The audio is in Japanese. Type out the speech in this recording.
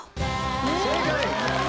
正解！